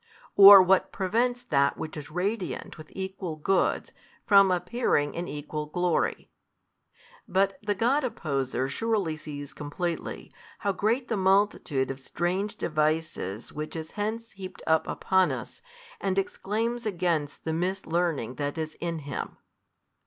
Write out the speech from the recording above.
or what prevents that which is radiant with equal goods from appearing in equal glory? But the |355 God opposer surely sees completely, how great the multitude of strange devices which is hence heaped up upon us and exclaims against the mislearning that is in him.